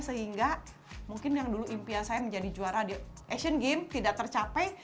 sehingga mungkin yang dulu impian saya menjadi juara di asian games tidak tercapai